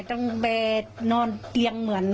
ต้องไปนอนเตียงเหมือน